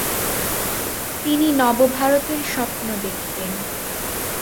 তিনি নবভারতের স্বপ্ন দেখতেন।